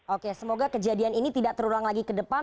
oke semoga kejadian ini tidak terulang lagi ke depan